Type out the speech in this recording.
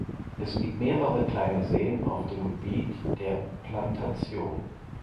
Es gibt mehrere kleinere Seen auf dem Gebiet der Plantation.